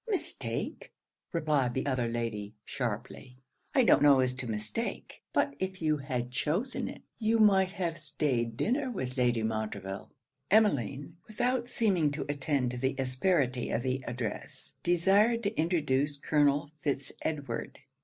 'Mistake!' replied the other lady, sharply; 'I don't know as to mistake; but if you had chosen it, you might have staid dinner with Lady Montreville.' Emmeline, without seeming to attend to the asperity of the address, desired to introduce Colonel Fitz Edward.